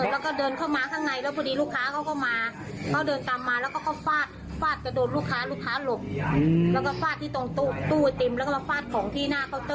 แล้วก็ฟาดที่ตรงตู้อิติมแล้วก็มาฟาดของที่หน้าเคาน์เตอร์อะไรอย่างนี้